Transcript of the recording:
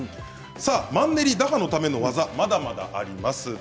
マンネリ打破のための技まだまだあります。